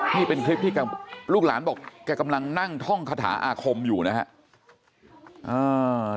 นี่เป็นคลิปที่ลูกหลานบอกแกกำลังนั่งท่องคาถาอาคมอยู่นะครับ